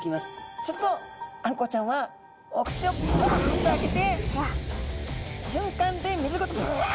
するとあんこうちゃんはお口をぶわっと開けて瞬間で水ごとぶわっと。